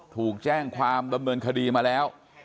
ถูกแจ้งความดำเนินคดีมาแล้ว